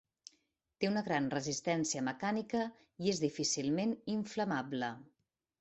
Té una gran resistència mecànica i és difícilment inflamable.